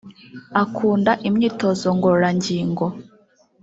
Akunda imyitozo ngororangingo